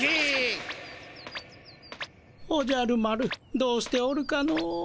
おじゃる丸どうしておるかの？